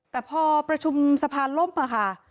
แต่พอประชุมสะพานล่มค่ะ